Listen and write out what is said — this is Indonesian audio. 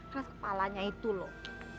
kelas kepalanya itu loh